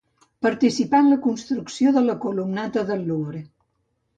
Participà en la construcció de la columnata del Louvre.